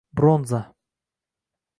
bronza